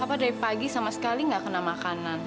papa dari pagi sama sekali gak kena makanan